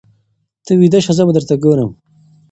ته ویده شه زه به درته ګورم.